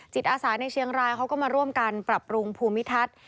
จิตอาสาในเชียงรายเขาก็มาร่วมกันปรับปรุงภูมิทัศน์